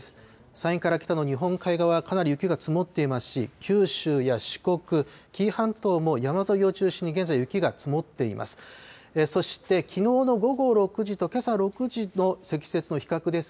山陰から北の日本海側、かなり雪が積もっていますし、九州や四国、紀伊半島も山沿いを中心に現在、雪が積もっています。